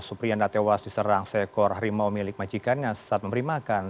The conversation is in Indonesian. suprianda tewas diserang sekor harimau milik majikan yang sesat memerimakan